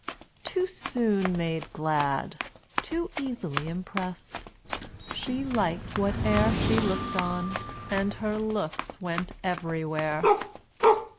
too soon made glad, Too easily impressed; she liked whate'er She looked on, and her looks went everywhere.